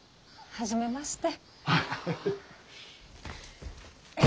初めまして。